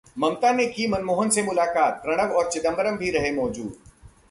ममता ने की मनमोहन से मुलाकात, प्रणव और चिदंबरम भी रहे मौजूद